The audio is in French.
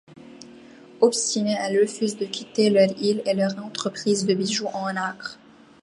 Obstinées, elles refusent de quitter leur île et leur entreprise de bijoux en nacre.